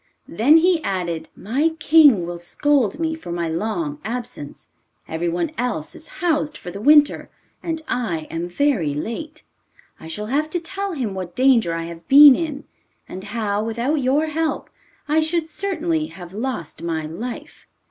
Then he added: 'My king will scold me for my long absence, everyone else is housed for the winter, and I am very late. I shall have to tell him what danger I have been in, and how, without your help, I should certainly have lost my life.